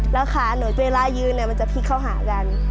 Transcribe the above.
แล้วขาหนูเวลายืนเนี่ยมันจะพลิกเข้าหากัน